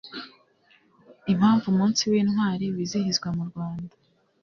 impamvu umunsi w'intwari wizihizwa mu rwanda